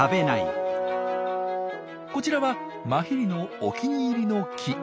こちらはマヒリのお気に入りの木。